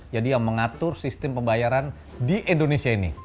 jadi yang mengatur sistem pembayaran di indonesia ini